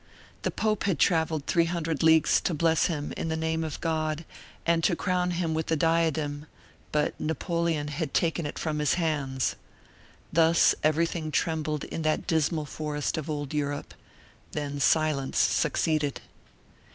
The pope had traveled three hundred leagues to bless him in the name of God and to crown him with the diadem; but Napoleon had taken it from his hands. Thus everything trembled in that dismal forest of old Europe; then silence succeeded.